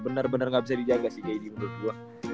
bener bener ga bisa dijaga sih kyrie menurut gue